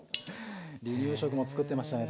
離乳食も作ってましたね